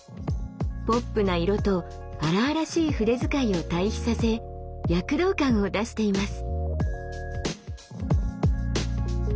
ポップな色と荒々しい筆遣いを対比させ躍動感を出しています。